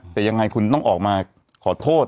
แต่ยังไงคุณต้องออกมาขอโทษ